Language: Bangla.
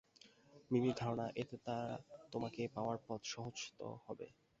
মিমির ধারণা, এতে তার তোমাকে পাওয়ার পথ সহজত হবে।